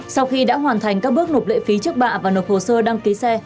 sau khi đã hoàn thành các bước nộp lệ phí trước bạ và nộp hồ sơ đăng ký xe